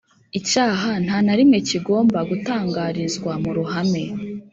Icyaha nta na rimwe kigomba gutangarizwa mu ruhame